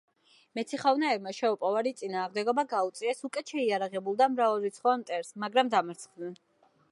მეციხოვნეებმა შეუპოვარი წინააღმდეგობა გაუწიეს უკეთ შეიარაღებულ და მრავალრიცხოვან მტერს, მაგრამ დამარცხდნენ.